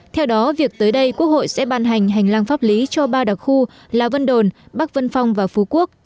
theo đó việc tới đây quốc hội sẽ ban hành hành lang pháp lý cho ba đặc khu là vân đồn bắc vân phong và phú quốc